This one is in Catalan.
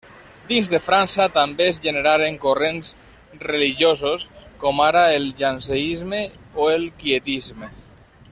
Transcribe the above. Dins de França, també es generaren corrents religiosos com ara el jansenisme o el quietisme.